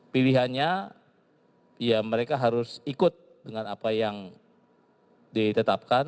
pilihannya ya mereka harus ikut dengan apa yang ditetapkan